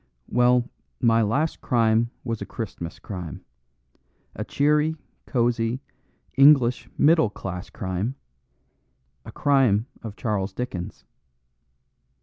"Well, my last crime was a Christmas crime, a cheery, cosy, English middle class crime; a crime of Charles Dickens.